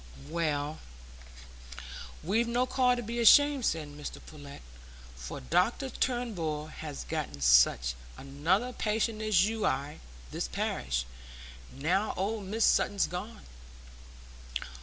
"Well, we've no call to be ashamed," said Mr Pullet, "for Doctor Turnbull hasn't got such another patient as you i' this parish, now old Mrs Sutton's gone."